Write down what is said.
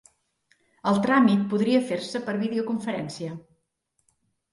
El tràmit podria fer-se per videoconferència.